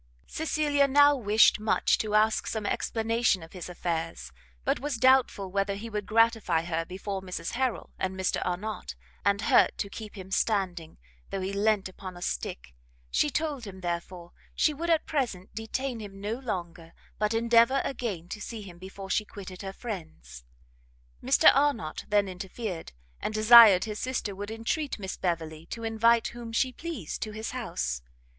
Cecilia now wished much to ask some explanation of his affairs, but was doubtful whether he would gratify her before Mrs Harrel and Mr Arnott, and hurt to keep him standing, though he leant upon a stick; she told him, therefore, she would at present detain him no longer, but endeavour again to see him before she quitted her friends. Mr Arnott then interfered, and desired his sister would entreat Miss Beverley to invite whom she pleased to his house.